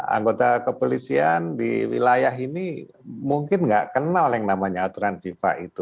anggota kepolisian di wilayah ini mungkin nggak kenal yang namanya aturan fifa itu